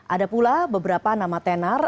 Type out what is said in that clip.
ada pula beberapa nama tenar